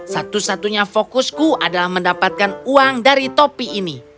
satu satunya fokusku adalah mendapatkan uang dari topi ini